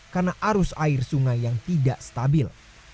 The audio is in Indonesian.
karena arus air sungai yang tidak stabil